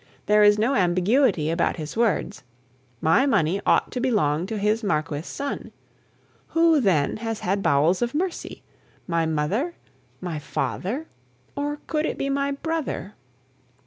There is no ambiguity about his words. My money ought to belong to his Marquis son. Who, then, has had bowels of mercy? My mother? My father? Or could it be my brother?